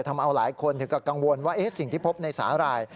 ทำเอาหลายคนถึงกับกังวลว่าสิ่งที่พบในสาหร่าย